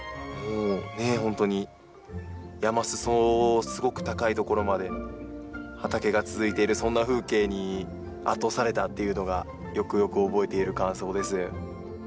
本当に山裾すごく高いところまで畑が続いてるそんな風景に圧倒されたっていうのがよくよく覚えている感想です。